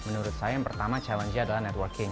menurut saya yang pertama challenge nya adalah networking